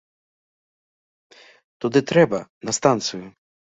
Туды трэба, на станцыю.